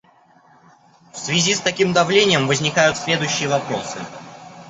В связи с таким давлением возникают следующие вопросы.